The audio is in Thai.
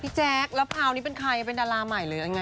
แจ๊คแล้วพราวนี้เป็นใครเป็นดาราใหม่หรือยังไง